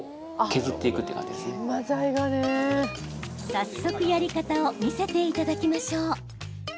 早速やり方を見せていただきましょう。